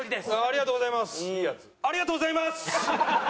ありがとうございます！